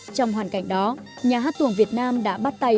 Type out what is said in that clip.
trong hoàn cảnh đó nhà hát tuồng việt nam đã bắt tay